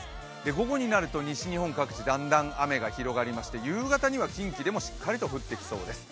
午後になると西日本各地だんだん雨が広がってきまして夕方には近畿でもしっかりと降ってきそうです。